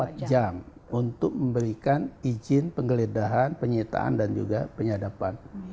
waktu maksimum satu x dua puluh empat jam untuk memberikan izin penggeledahan penyitaan dan juga penyedapan